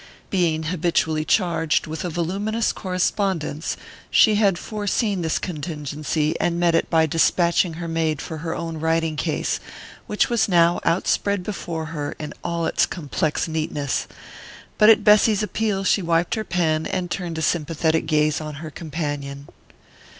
Being habitually charged with a voluminous correspondence, she had foreseen this contingency and met it by despatching her maid for her own writing case, which was now outspread before her in all its complex neatness; but at Bessy's appeal she wiped her pen, and turned a sympathetic gaze on her companion.